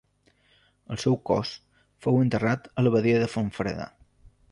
El seu cos fou enterrat a l'abadia de Fontfreda.